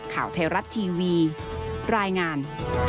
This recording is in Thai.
ข่าวเทราะห์ทีวีรายงาน